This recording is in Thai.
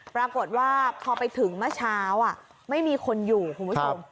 ปรากฏว่าพอไปถึงเมื่อเช้าไม่มีคนอยู่คุณผู้ชม